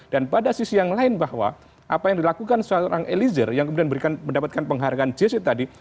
dan pada sisi yang lain bahwa apa yang dilakukan seorang eliezer yang kemudian mendapatkan penghargaan jc tadi